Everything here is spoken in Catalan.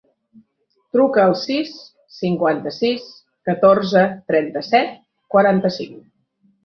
Truca al sis, cinquanta-sis, catorze, trenta-set, quaranta-cinc.